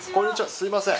すみません。